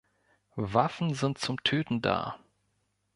Waffen sind zum Töten da!